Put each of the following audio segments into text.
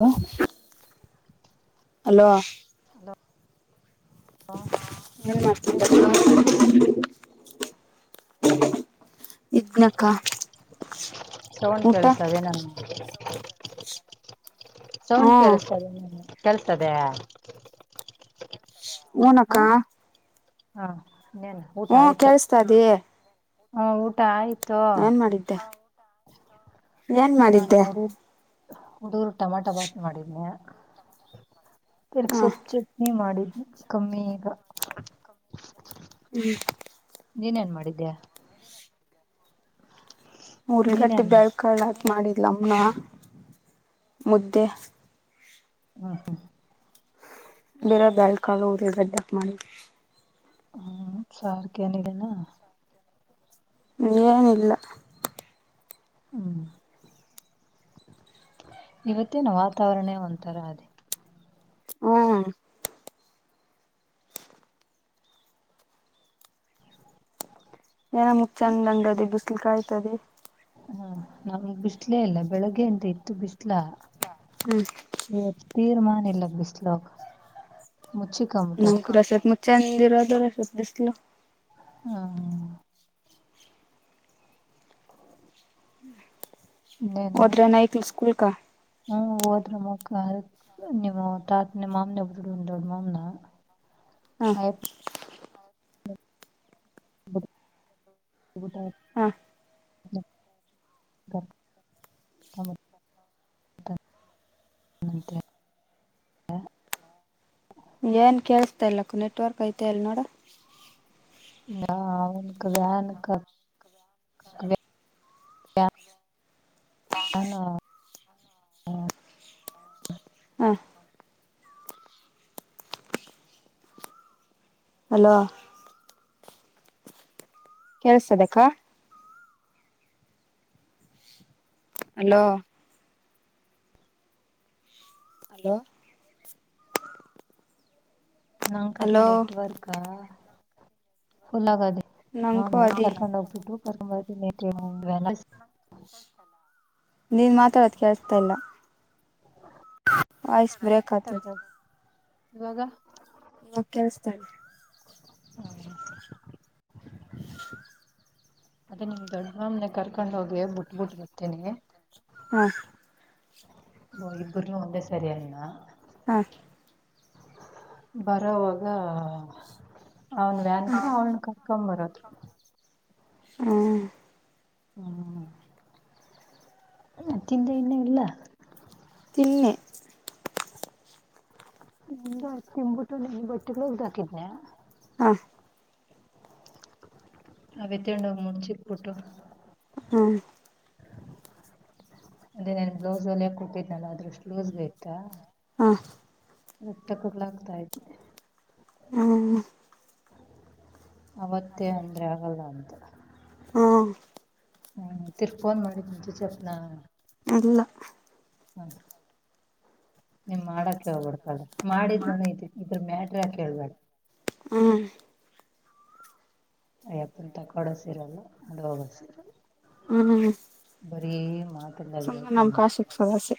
[unintelligible] Hello ದೊ ಎ ಏನ್ ಮಾಡ್ತಾ ಇದ್ದಮ್ಮಯ್ಯ [unintelligible] ಇದ್ನಕ್ಕ ಸೌಂಡ್ ಊಟ. ಕೇಳಿಸ್ತದೆ ನಾನು ಸೌಂಡ್ ಹ್ಮ್ ಕೇಳಸ್ತದೆ ಕಳ್ತದೆ. ಊನಕ್ಕಾ. ಹಾ ಹ್ಮ ಕೇಳಸ್ತಾದೆ. ಹಾ ಊಟ ಆಯ್ತು. ಏನ್ ಮಾಡಿದ್ದೆ. ಏನ್ ಮಾಡಿದ್ದೆ. ಹುಡ್ಗೊರ್ಗೆ ಟಮಾಟೊ ಭಾತ್ ಮಾಡಿದನೆ. ಇರ್ಗ್ ಹಾ ಸೊಪ್ಪ ಚಟ್ನಿ ಮಾಡಿ ಕಮ್ಮಿ ಈಗ. [unintelligible] ನೀನ್ ಏನ್ ಮಾಡಿದ್ದೆ. ಮೂರ್ಗಟ್ಟೆ ನೀನೇನ್ ಬೆಳ್ಕಾಳ್ ಹಾಕಿ ಮಾಡಿದ್ಲಮ್ಮನ ಮುದ್ದೆ. ಹ ಹಾ ಬೇರ ಬ್ಯಾಳ್ಕಾಳು ಉಳ್ಳಗಡ್ಡೆ ಅಕ್ ಮಾಡಿದ್ರು. ಹ್ಮ್ ಸಾರಕನಿಗೆಣ. ಏನಿಲ್ಲ. ಹ್ಮ್ ಇವತ್ತೇನು ವಾತಾವರಣೇ ಒಂಥರ ಅದೇ. ಹ್ಮ ಏನ ಮುಕ್ ಚಂದಂಗದೆ ಬಿಸಿಲು ಕಾಯ್ತದೆ. ಹಾ ನಾ ಬಿಸ್ಲೆ ಇಲ್ಲ ಬೆಳಗ್ಗೆ ಅಂತ ಇತ್ತು ಬಿಸ್ ಲ ಹ್ಮ್ ಇವತ್ತು ತೀರ್ಮಾನ ಇಲ್ಲ ಬಿಸ್ಲಕ್. ಮುಚ್ಚಿ ಕಮ್ಮುಟದೆ ಚಂದಿರ [unintelligible] ಬಿಸ್ಲು ಹಾ ಇನ್ನೆನು ಹೋದ್ರ ನೈಕ್ಲ್ ಸ್ಕೂಲ್ಕ ಹ್ಮ್ ಹೋದ್ರು [unintelligible] ನಿಮ್ಮ [unintelligible] ತಾತ ನಿಮ್ಮ ಮಾಮನ [unintelligible] ದೊಡ್ ಮಾಮನ ಹಾ [unintelligible] ಹಾ [unintelligible] [unintelligible] [inaudible] ಏನ್ ಕೇಸ್ತಾ ಇಲ್ಲಕ್ಕ ನೆಟ್ವರ್ಕ್ ಐತೆ ಅಲ್ ನೋಡು. [inaudible] ನಾನು [inaudible] ಹಾ ಹಲೋ ಕೆಲ್ಸತದೆಕ್ಕ ಹಲೋ ಹಲೋ ನಂ ಕದಿ ಹಲೋ ನೆಟ್ವರ್ಕ ಫುಲ್ ಆಗದಿ ನಂಗೂ [unintelligible] ಅದಿ ಕರ್ಕೊಂಡು ಹೋಗ್ಬಿಟ್ಟು ಕರ್ಕೊಂಡ್ ಬರ್ತಿನಿ ಹೇಳು [unintelligible] ನೀನ್ ಮಾತಾಡೋದ ಕೇಳ್ಸ್ತಾಲ್ಲ ವಾಯ್ಸ್ ಬ್ರೇಕ್ ಆಗ್ತದೆ. ಇವಾಗ ಇವಗ್ ಕೇಳಸ್ತಳ್ [inaudible] ಅದೇ ನಿಮ್ ದೊಡ್ಡ ಮಾಮ್ಲೆ ಕರ್ಕೊಂಡ ಹೋಗಿ ಬಿಟ್ಬುಟ್ ಬತೇನಿ ಹಾ ಓ ಇಬ್ರೂ ಒಂದ ಸರಿನ್ನ ಹಾ ಬರೋವಾಗ ಅವ್ನ್ ವ್ಯಾನ್ಕ ಅವನ ಕಕೊ ಬರೋದು ಹ್ಮ ಹ್ಮ್ ಅ ತಿಂದೆ ಇನ್ನ ಇಲ್ಲ ತಿನ್ನೆ ನಿ ತಿನಬಟ್ಟು ನಿ ಬಟ್ಟೆಗಳು ಹೋಗ್ದ ಹಾಕಿದನಿ ಹಾ ಅವತ್ತೊಂಡ ಮುಡಚಿ ಪುಟ್ಟು ಹ್ಮ ಅಂದೇ ನನ್ ಬ್ಲೌಸ್ ಹೊಲ್ಲಿಯಕ್ ಕುಟ್ಟಿದ್ನಲ್ಲ ಅದ್ರಷ್ಟು ಲೂಸ್ ಬೇಕಾ. ಹಾ [unintelligible] ಹ್ಮ್ ಅವತ್ತೇ ಅಂದ್ರೆ ಆಗಲ್ಲ ಅಂತ ನಾ ಹಾ ಹ್ಮ ತಿರ್ಗ್ಫೋನ್ ಮಾಡಿ ತಂಚೆ ಚೆಪ್ನಾ ಇಲ್ಲ [unintelligible] ನೀನ್ ಮಾಡಕ ಹೋಗ್ಬಡ್ಕಲ್ ಮಾಡಿದ್ರುನು ಇದೀನಿ ಇದ್ರ ಮ್ಯಾಟ್ರಕ ಕೇಳ್ಬೇಡ ಹ್ಮ್ ಅಯ್ಯಪ್ಪಂತ ತ ಕೊಡೋಸೀರಲ್ಲ ಅದು ಹೋಗೋಸಿರಲ್ಲ. ಹ್ಮ್ ಬರೀ ಮಾತು ಸುಮನೆ ನಮ್ಮ ಕಾಸ್ಟ್ ಗೆ ಸಮಸೆ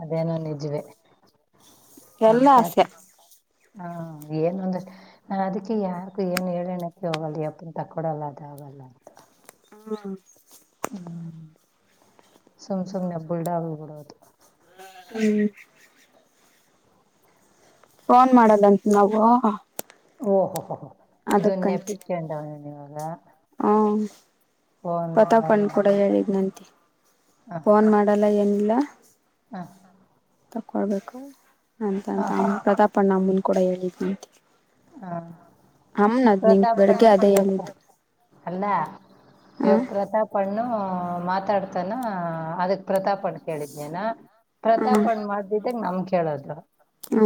ಅದೇನೋ ನಿಜವೇ ಎಲ್ಲಾ ಆಸೆ ಹ [inaudible] ಏನ ಒಂದಿಷ್ಟುಅದಕ್ಕೆ ಯಾರಿಗು ಏನ್ ಹೇಳೋಣಕ್ಕೆ ಹೋಗಲ್ಲ ಯಪ್ಪ ತಕ್ಕೊಡಲ್ಲ ಅದ ಆಗಲ್ಲ ಅಂತ ಹಾ ಹ್ಮ ಸುಮ್ ಸುಮ್ ನೆ ಬಿಡ್ ಬಿಡೊದ ಹ್ಮ್ ಫೋನ್ ಮಾಡದಂತ ನಾವು ಓಹೋ ಹೋಹ ಇದೊನ್ನ ನೆಪಿಕೊಂಡವನ ಇವಾಗ ಹಾ ಫೋನ್ ಪತಾ ಮಾಡಲ್ಲ ಕಣ್ ಕೂಡ ಹೇಳಿದ್ ನಂತಿ ಫೋನ್ ಮಾಡಲ್ಲ ಏನಿಲ್ಲ. ಹಾ ತಗೊಳ್ಬೇಕು ಅಂತಂತ ಅಮ್ಮ ಹ ಪ್ರತಾಪಣ್ಣ ಅಮ್ಮನ ಕೂಡ ಹೇಳಿದ್ನ ಅಂತಿ ಹಾ ಪ್ರತಾಪಣ್ಣ ಬೆಳಿಗ್ಗೆ ಅದೇ ಯವ ಹೇಳಿದ್ದು ಅಲ್ಲ ಎ ಹ ಪ್ರತಾಪ್ ಅಣ್ಣ ಮಾತಾಡ್ತಾನ ಅದಕ್ ಪ್ರತಾಪ ಅಣ ಕೇಳಿದ್ನೇನಾ ಪ್ರತಾಪಣ್ ಮಾಡ್ದಿದಾಗ ನಮ್ ಕೇಳದ್ ಹ್ಮ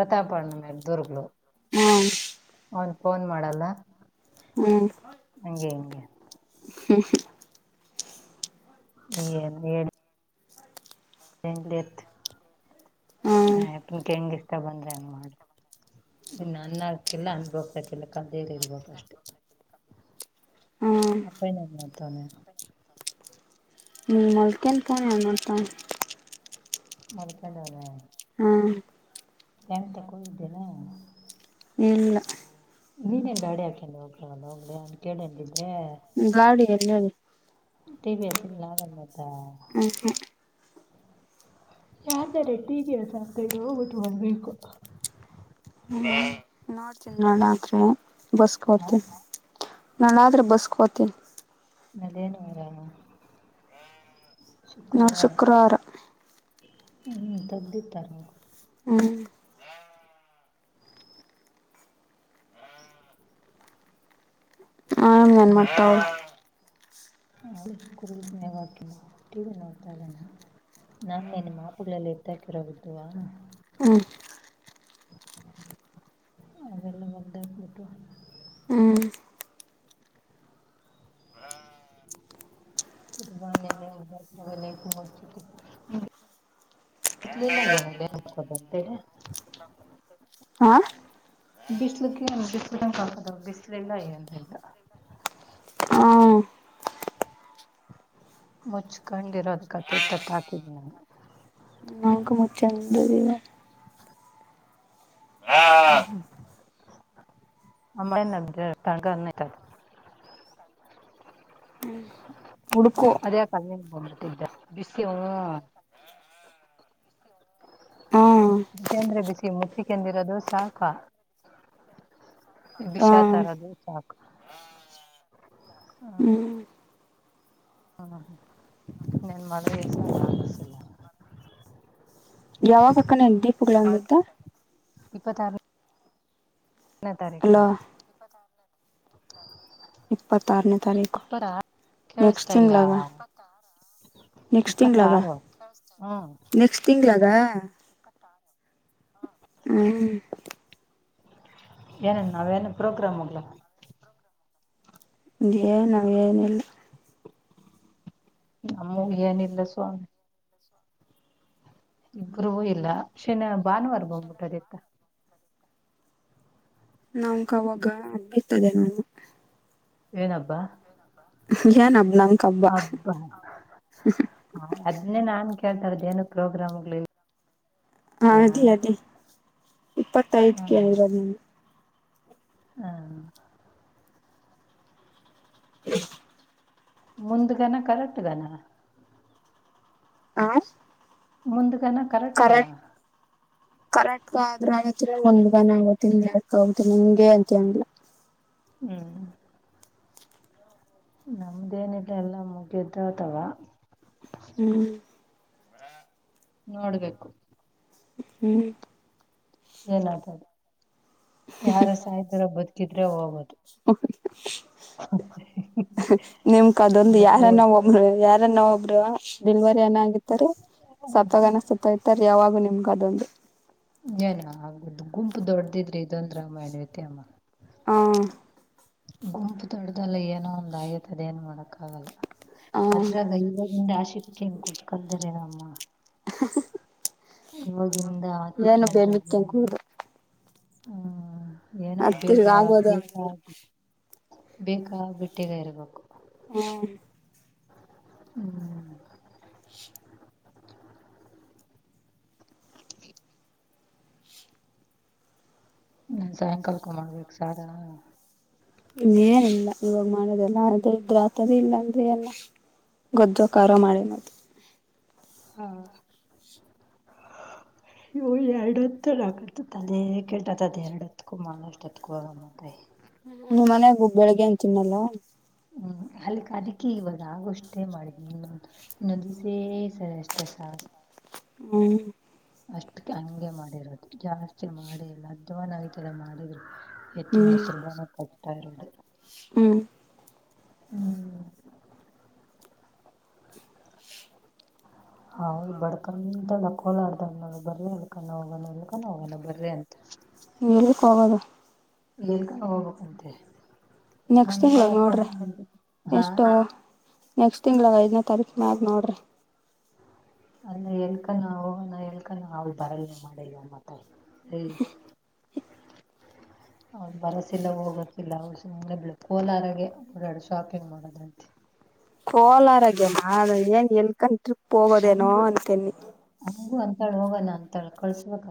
ಪ್ರತಾಪ ಅಣ್ಣ ಮೇಲೆ ದುರ್ಗಲು ಹ್ಮ ಅವನ್ ಫೋನ್ ಮಾಡಲ್ಲ ಹಂಗೆ ಹಿಂಗೆ ಹ್ಮ ಏನು ಹೇಳಏ ಇಂಗ್ಲಿತು ಹ್ಮ್ ಯಪ್ಪ ಹೆಂಗ ಇಷ್ಟತ ಬಂದ್ರೆ ಹೆಂಗ ಮಾಡಿ ಇನ್ನ ಅನ್ನ ಆಕಿಲ್ಲ ಅನ್ಭಕ್ತಕಿಲ್ಲ ಕದೇರಿ ಇರ್ಬೇಕಷ್ಟೆ ಹ್ಮ್ ಅಪ್ಪೇಣ್ಣ ಏನ್ ಮಾಡತಾನೆ ನೀ ನಲ್ಕನ್ ತ ಎ ಮಾಡತ ಮಲಪಂಡನ ಹ್ಮ ಹೆಂತ ಕೂಳಿದ್ದೇನೆ ಏಳ ನೀನೇನ್ ಗಾಡಿ ಹಾಕೊಂಡಂಡು ಹೋಗ ಹೋಗ ಕೇಳ ಗಾಡಿ ಎಲ್ಲದ [unintelligible] ಯಾರ್ದಾರೆ [unintelligible] ಒಂದ್ ವೀಕು ಹ್ಮ್ ನೋಡ್ತೀನ್ ನಾಳೆ ಆದ್ರೆ ಬಸ್ಗ್ ಹೋಗ್ತೀನ್ ನಾಳೆ ಆದ್ರೆ ಬಸ್ಗೋತೀನ್. ನಲೇನ ವರಾನ ನಾ ಶುಕ್ರವಾರ ಹ್ಮ್ ತಗ್ದಿ ತಾರ ನೋಡ ಹ್ಮ್ ಆಮೇಲೆ ಏನ್ ಮಾಡ್ತಾವಿ ಕುರುನ್ಯವಕ ಟಿವಿ ನೋಡ್ತಾ ಇದಣ ನಾನೇ ನಿ ಮಾಪುಗಳಲ್ಲಿ ಎದ್ದಾಕಿರೋ ಬಿದ್ದುವ [inaudible] ಅವಲೇಬಲ್ದೆ ಫೋಟೋ ಹ್ಮ್ ಇ ಬ ಅಬಮ [unintelligible] [unintelligible] ಹಾ ಬಿಸಿಲುಕ್ಕೆ ಬಿಸ್ಲಂಗ್ ಕಾಣ್ತದ. ಬಿಸ್ಲಿಲ್ಲ ಏನಿಲ್ಲ. ಆ ಹ್ಮ್ ಮುಚ್ಕೊಂಡಿರೋದ್ ಕತೆ [unintelligible] [unintelligible] ಹ್ಮ್ ಹ್ಮ್ [unintelligible] ಹುಡುಕು ಅದೇ [unintelligible] ಹಾ ವಿಜೇಂದ್ರ ಬಿಸಿ ಮುಚ್ಚಿಕಂದಿರದು ಸಾಕ? ಹಾ ವಿಷಾ ತರದು ಸಾಕು. ಹಾ ಹ್ಮ್ [unintelligible] ಯಾವಾಗಕಣ ದೀಪಗಳ [unintelligible] ಇಪ್ಪತಾರು ಹತ್ನೆ ಅಲ್ಲ ತಾರೀಖು. ಇಪ್ಪತ್ತಾರ್ನೆ ತಾರೀಖು ನೆಕ್ಸ್ಟ್ ಕೇಳಿಸ್ತಾ ಇಲ್ಲ ತಿಂಗ್ಳದ. ನೆಕ್ಸ್ಟ್ ತಿಂಗ್ಳದ ಇಪ್ಪತ್ತಾರು ಹ್ಮ್ [unintelligible] ನೆಕ್ಸ್ಟ್ ತಿಂಗ್ಳದ. ಹ್ಮ್ ಏನೇನ್ ನಾವೇನ್ ಪ್ರೋಗ್ರಾಮ್ ಹೋಗ್ಲ ಏನ್ ನಾವೇನಿಲ್ಲ. ನಾವು ಏನಿಲ್ಲ ಸ್ವಾಮಿ ಇಬ್ರು ಇಲ್ಲ. ಶನ ಭಾನುವಾರ ಹೋಗ್ಬೇಕಾಗಿತ್ತ. ನಂಗವಾವಾಗ [unintelligible] ಏನಬ್ಬಾ? ಏ ನಮ್ ಹಬ್ಬಾ ಹ ಅದನ್ನೇ ನಾನು ಕೇಳ್ತಾಯಿರೋದೇನು ಪ್ರೋಗ್ರಾಮ್ಗಳಿಲ್ ಹಾ ಅದಿ ಅದಿ ಇಪ್ಪತ್ತೈದ್ಕೆ ಇರೋದ್ ಹಾಂ [inaudible] ಮುಂದ್ಗನ ಕರೆಟ್ಗನ ಆಶ್ ಮುಂದ್ಗನ ಕರೆಕ್ಟ್ಗನಾ ಕರೆಕ್ಟ್ ಆದ್ರ ಆಗುತ್ರಿ ಒಂದ್ಗನ ಆಗತಿ ಯಕ್ ಆಗತಿ ಇಂಗೆ ಅಂತ ಏನಿಲ್ಲ. [inaudible] ಹ್ಮ್ ನಮ್ದೇನಿಲ್ಲ ಎಲ್ಲ ಮುಗ್ಯದ್ ಅತವಾ ಹ್ಮ್ ನೋಡ್ಬೇಕು. ಹ್ಮ್ ಏನ್ತದೆ ಯಾರ ಸಾಯತರ ಬದುಕಿದ್ರೆ ಹೋಗೋದು ನಿಮ್ಗ್ ಅದೊಂದ್ ಮೊದ್ಲೇ ಯಾರನ ಒಬ್ರು ಯಾರ್ ದನ್ನ ಒಬ್ರು ಡಿಲ್ವರಿ ಅನ ಆಗುತ್ತರಿ ಸತ್ತೋಗಾನ ಸತ್ತೋಯ್ತಾರೆ ಯಾವಾಗು ನಿಮ್ ಕದೊಂದು ಏನ ಆಗದು ಗುಂಪು ದೊಡ್ಡ್ದಿದ್ರಿ ಇದೊಂದ್ ರಾಮಾಯಣ ಐತ್ರಿ ಅಮ್ಮ. ಹಾಂ ಗುಂಪು ದೊಡ್ದಲ್ಲ ಏನೋ ಒಂದ್ ಆಗೋಯ್ತದ ಏನ್ ಮಾಡಕ್ಕಾಗಲ್ಲ. ಹ ಮದುವೆ ಆದಾಗಿಂದ ಯಾ ಶಿಫ್ಟ್ಗೂ ಹಿಂಗ್ ಕೂತ್ಕಂದಿರಲ್ಲಮ್ಮ ಏನು ಆಶಿಕ್ಯೆನ್ರ ಬೇಂಬಿಕ್ಕ ಕೂುದು ಹ್ಮ್ ಏನೋ ಬೇಗ ಆಗೋದು ಬೇಕ ಆಗಲ್ಲ ಬೇಕಾ ಬಿಟ್ಟಗ ಇರಬೇಕು ಹ್ಮ ಹ್ಮ್ ನ ಸಾಯಂಕಾಲಕೊ ಮಾಡ್ಬೇಕು ಸಾರ ಇನ್ನೇನಲ್ಲ ಇವಾಗ ಮಾಡೋದೆಲ್ಲ ಅ್ರ ಇದ್ರ ಆತದ ಇಲ್ಲಾ ಅಂದ್ರೆ ಎಲ್ಲ ಗೊ್ದೋ ಕಾರೋ ಮಾಡ ನ ಹಾ ಇ ಎರಡು ಹತ್ತಕತತ್ ಅದೇ ಕೇಳ್ತತಿ ಅದ ಎರಡು ಹತ್ಕೊ ಮಾಡಳಷ್ಟೊತ್ಕ ಹೋಗಮ್ಮತ್ರಿ ನಿ್ ಮನೆಯಾಗ ಹ ಬೆಳಿಗ್ಗೆ ಅ ತಿನ್ನಲ್ಲ ಹ್ಮ್ ಅಲ್ಲಿಕ್ಕೆ ಅದಕ್ಕೆಿ ಇವಾಗ ಆಗೋಷ್ಟೇ ಮಾಡ ಇ ನ ದಿಸೇ ಸರ್ ಅಷ್ಟೆಸ ಹ್ಮ್ ಅಷ್ಟಕ್ಕೆ ಹಂಗೆ ಮಾಡಿರಬದು ಜಾಸ್ತಿ ಮಾಡಿಲ್ಲ ಅದ್ವಾ ನಾವತಲ್ಲ ಮಾಡಿದ್ರು ಎತ್ತಿ ಹ್ಮ್ ಮುಸುರ್ಬಾನ ಕಟ್ಟತರೋಡು ಹ್ಮ್ ಹ್ಮ್ [unintelligible] ಹೌದು್ ಬಡ್ಕೊಂಡಂತೆಲ್ಲ ಕೋಲಾಡ್ದಾಗ್ನಳ ಬರ್ರಿ ಎಲ್ಕಾನ ಹೋಗಣ ಎಲ್ಕಾನ ಹೋಗಣ ಬರ್ರಿ ಅಂತ ನೀಲ್ಲಿಕ್ಕೆೋಗೋದು ಇಕ ಹೋಗ ಅಂತೆ ನೆಕ್ಸ್ಟ್ ತಿಂಳಗೆ ನೋಡ್ರಿ ಹಾ ಎಷ್ಟೋ ನೆಕ್ಸ್ಟ್ ತಿಂಗ್ಳಿಗೆ ಐದನೇ ತೀು ಮ್ಯಾಲೆ ನೋಡಿರಿ ಅಲ್ಲ ಎಲ್ಕಾನ ಹಣ ಎಲ್ಕಾನ ಅವಲ್ ಬರಲ್ನೆ ಮಾಡಿಲ್ಲಮ್ಮತಾಯ ಹ್ಮ ಅವ ಬರಸಲ್ಲ ಹೋಗೋಕಿಲ್ಲ ಸುನೆ ಕೋಲಾರಗೆ ಓಡಾಡು ಶಾಪಿಂಗ್ ಮಾಡೋದಂತ ಹ ಕೋಲಾರಗೆಮ್ಮ ಏನ್ ಎಲ್ಕಂಡ ಟ್ರಿಪ್ ಹೋಗೋದೇನೋ ಅಂತನ್ನಿ ತಳ ಹೋಗ ನಾನನ್ ತಳ್ಕಳ್ಿಸಬೇಕ